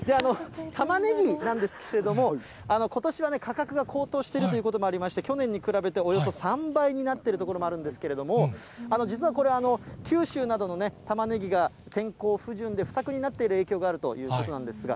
たまねぎなんですけれども、ことしは価格が高騰しているということもありまして、去年に比べておよそ３倍になっているところもあるんですけれども、実はこれ、九州などのたまねぎが天候不順で不作になっている影響があるということなんですが。